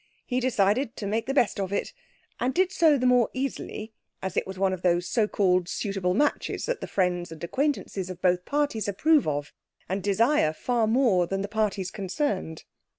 He decided to make the best of it, and did so the more easily as it was one of those so called suitable matches that the friends and acquaintances of both parties approve of and desire far more than the parties concerned.